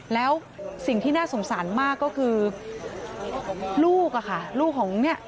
แล้วสิ่งที่น่าสงสารมากก็คือลูกอะค่ะลูกของเนี่ย